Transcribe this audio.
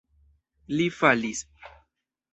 Li falis.